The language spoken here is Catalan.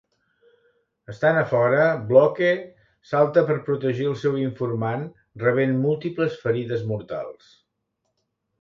Estant a fora, Bloke salta per protegir el seu informant, rebent múltiples ferides mortals.